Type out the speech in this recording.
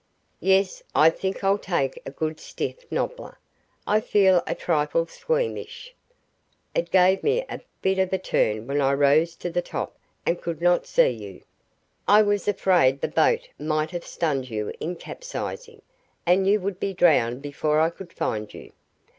"Yes; I think I'll take a good stiff nobbler. I feel a trifle squeamish. It gave me a bit of a turn when I rose to the top and could not see you. I was afraid the boat might have stunned you in capsizing, and you would be drowned before I could find you."